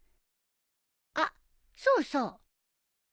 あっそうそう。